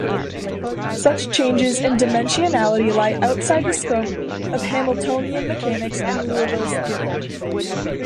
Such changes in dimensionality lie outside the scope of Hamiltonian mechanics and Liouville's theorem.